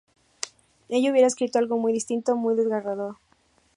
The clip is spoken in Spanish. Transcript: Ella hubiera escrito algo muy distinto, muy desgarrador.